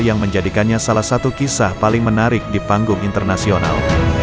yang menjadikannya salah satu kisah paling menarik di panggung internasional